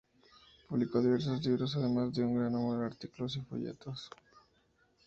Publicó diversos libros, además de un gran número de artículos y folletos.